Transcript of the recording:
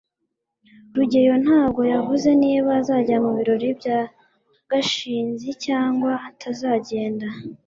rugeyo ntabwo yavuze niba azajya mu birori bya gashinzi cyangwa atazagenda